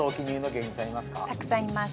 たくさんいます。